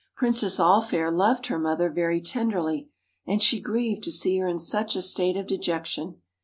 Princess All fair loved her mother very tenderly, and she grieved to see her in such a state of dejection.